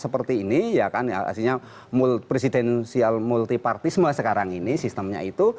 parti ini ya kan ya aslinya presidensial multipartisme sekarang ini sistemnya itu